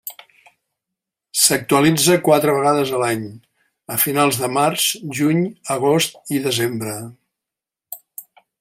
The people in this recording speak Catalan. S'actualitza quatre vegades a l'any, a finals de març, juny, agost i desembre.